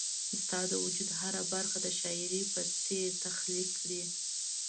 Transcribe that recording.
چي ستا د وجود هره برخه د شاعري په څير تخليق کړي